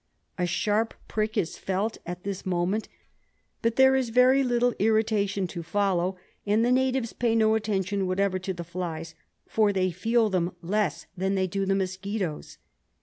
A sharp prick is felt at this moment, but there is very little irritation to follow, and the natives pay no atten tion whatever to the flies, for they feel them less than they do the mosquitoes.